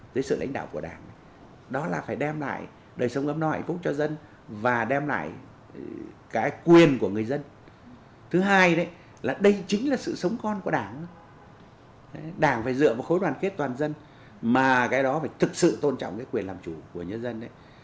đảng phải dựa vào khối đoàn kết toàn dân mà cái đó phải thực sự tôn trọng quyền làm chủ của nhân dân